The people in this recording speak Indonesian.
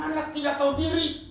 anak tidak tahu diri